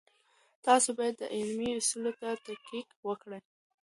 تاسې باید د علمي اصولو ته دقت وکړئ.